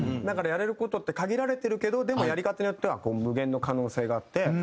だからやれる事って限られてるけどでもやり方によっては無限の可能性があって。